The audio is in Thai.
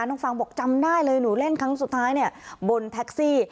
ฟังบอกจำได้เลยหนูเล่นครั้งสุดท้ายเนี่ยบนแท็กซี่